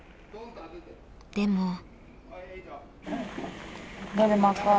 でも。